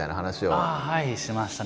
はい。